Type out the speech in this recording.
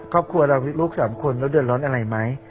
ครอบครัวเราลูก๓คนเราเดือดร้อนอะไรไหม